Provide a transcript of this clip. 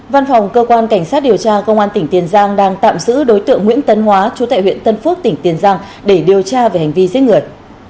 văn phòng cơ quan cảnh sát điều tra công an tỉnh tiền giang đang tạm giữ đối tượng nguyễn tấn hóa chú tại huyện tân phước tỉnh tiền giang để điều tra về hành vi giết người